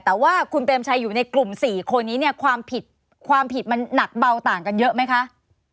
แต่ว่าคุณเปรมชัยอยู่ในกลุ่ม๔คนนี้เนี่ยความผิดความผิดมันหนักเบาต่างกันเยอะไหมคะ